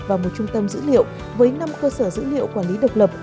và một trung tâm dữ liệu với năm cơ sở dữ liệu quản lý độc lập